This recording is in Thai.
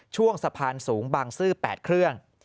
ช่วงสะพานสูงบางซื่อ๘เครื่อง